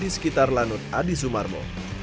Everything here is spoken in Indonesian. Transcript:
di sekitar lanut adi sumarmo